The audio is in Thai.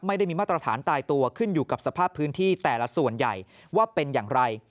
ไม่ได้มีมาตรฐานตายตัวขึ้นอยู่กับสภาพพื้นที่แต่ละส่วนใหญ่ว่าเป็นอย่างไร